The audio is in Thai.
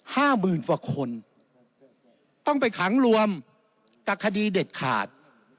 ห้าหมื่นกว่าคนต้องไปขังรวมกับคดีเด็ดขาด